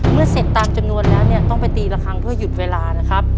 เมื่อเสร็จตามจำนวนแล้วเนี่ยต้องไปตีละครั้งเพื่อหยุดเวลานะครับ